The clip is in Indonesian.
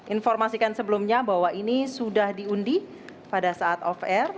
informasikan sebelumnya bahwa ini sudah diundi pada saat off air